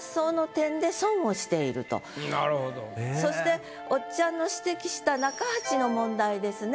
そしておっちゃんの指摘した中八の問題ですね。